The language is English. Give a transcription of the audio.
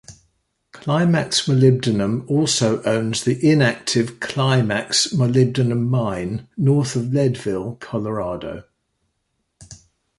Climax Molybdenum also owns the inactive Climax molybdenum mine, north of Leadville, Colorado.